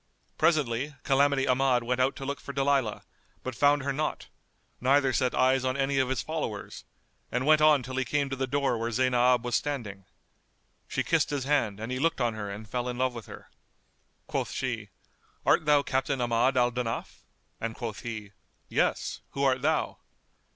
Presently, Calamity Ahmad went out to look for Dalilah, but found her not, neither set eyes on any of his followers, and went on till he came to the door where Zaynab was standing. She kissed his hand and he looked on her and fell in love with her. Quoth she, "Art thou Captain Ahmad al Danaf?"; and quoth he, "Yes: who art thou?"